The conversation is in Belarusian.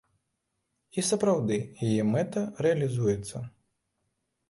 І сапраўды, яе мэта рэалізуецца.